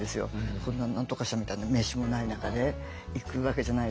こんな何とか社みたいな名刺もない中でいくわけじゃないですか。